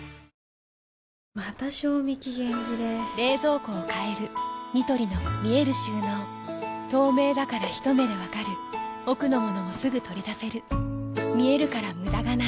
また賞味期限切れ冷蔵庫を変えるニトリの見える収納透明だからひと目で分かる奥の物もすぐ取り出せる見えるから無駄がないよし。